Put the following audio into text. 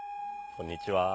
こんにちは。